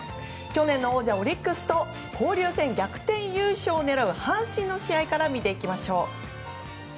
去年の王者オリックスと交流戦逆転優勝を狙う阪神の試合から見ていきましょう。